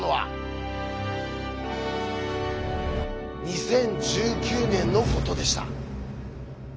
２０１９年のことでした。